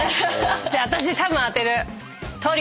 じゃあ私たぶん当てる。